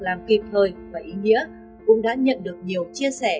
làm kịp thời và ý nghĩa cũng đã nhận được nhiều chia sẻ